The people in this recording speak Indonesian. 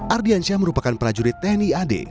ardiansyah merupakan prajurit tni ad